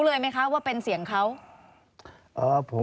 สื่อก็ตีกลับทางพี่พลายได้เยอะ